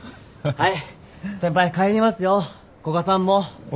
はい。